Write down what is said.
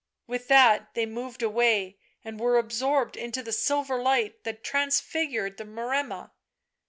With that they moved away, and were absorbed into the silver light that transfigured the Maremma.